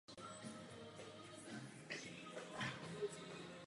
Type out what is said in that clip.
Vystudovala francouzštinu a historii na Filozofické fakultě Univerzity Karlovy.